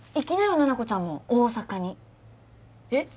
七子ちゃんも大阪にえっ？